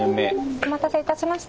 お待たせいたしました。